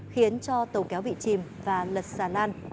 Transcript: khiến cho tàu kéo bị chìm và lật xà lan